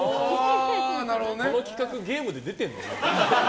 この企画、ゲームで出てるの？